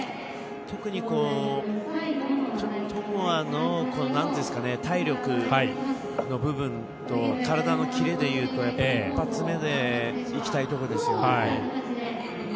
特に、智亜の体力の部分と体のキレでいうと一発目でいきたいところですよね。